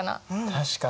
確かに。